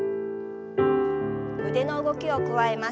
腕の動きを加えます。